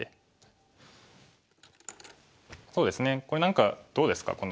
これ何かどうですか？